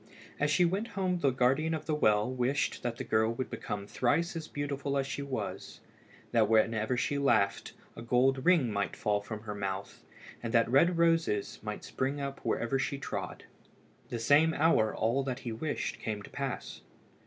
As she went home the guardian of the well wished that the girl would become thrice as beautiful as she was, that whenever she laughed a gold ring might fall from her mouth, and that red roses might spring up wherever she trod. The same hour all that he wished came to pass.